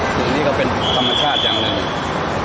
กลุ่มนี้ก็เป็นธรรมชาติอย่างหนึ่ง